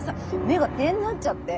目が点になっちゃって。